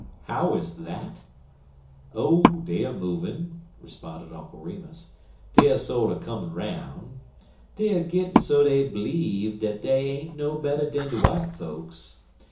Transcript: "How is that?" "Oh, dey er movin'," responded Uncle Remus. "Dey er sorter comin' 'roun'. Dey er gittin' so dey bleeve dat dey ain't no better dan de w'ite fokes.